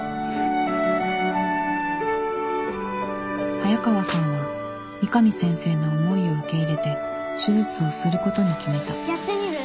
早川さんは三上先生の思いを受け入れて手術をすることに決めたやってみる？